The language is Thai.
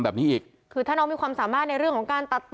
แบบนี้อีกคือถ้าน้องมีความสามารถในเรื่องของการตัดต่อ